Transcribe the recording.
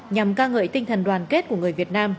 nhằm ca ngợi tinh thần đoàn kết của người việt nam